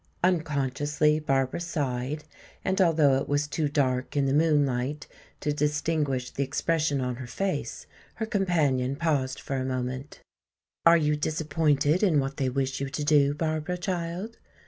Unconsciously Barbara sighed and although it was too dark in the moonlight to distinguish the expression on her face, her companion paused for a moment. "Are you disappointed in what they wish you to do, Barbara, child?"